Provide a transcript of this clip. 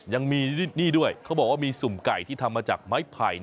ยังมีนี่ด้วยเขาบอกว่ามีสุ่มไก่ที่ทำมาจากไม้ไผ่